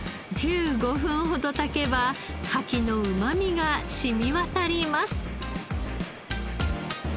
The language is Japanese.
１５分ほど炊けば牡蠣のうまみが染み渡ります。